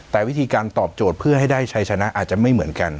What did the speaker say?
แต่วิธีการตอบโจทย์เพื่อให้ได้ชัยชนะอาจจะไม่เหมือนกัน